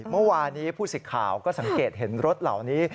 เมื่อวานี้ผู้สิทธิ์ข่าวก็สังเกตเห็นรถเหล่านี้